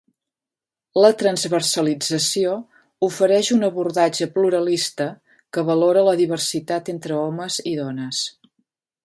La transversalització ofereix un abordatge pluralista que valora la diversitat entre homes i dones.